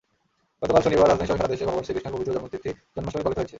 গতকাল শনিবার রাজধানীসহ সারা দেশে ভগবান শ্রীকৃষ্ণের পবিত্র জন্মতিথি জন্মাষ্টমী পালিত হয়েছে।